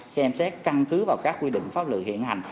xem xét căn cứ vào các quy định pháp luật hiện hành